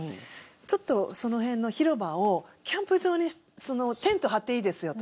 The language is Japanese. ちょっとその辺の広場をキャンプ場にテント張っていいですよと。